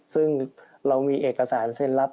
ซึ่งเรามีเอกสารเซ็นรับ